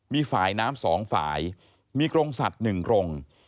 มีฝ่ายน้ำสองฝ่ายมีกรงสัตว์หนึ่งกรง